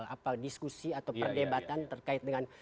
apa diskusi atau perdebatan terkait dengan